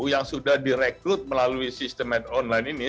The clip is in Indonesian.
yang sudah direkrut melalui sistem online ini